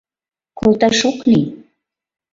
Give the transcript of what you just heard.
— Колташ ок лий.